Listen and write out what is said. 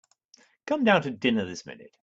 Come down to dinner this minute.